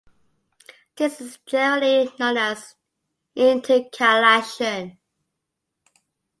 This is generally known as intercalation.